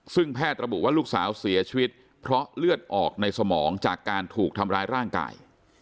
ซึ่งแพทย์ระบุว่าลูกสาวเสียชีวิตเพราะเลือดออกในสมองจากการถูกทำร้ายร่างกาย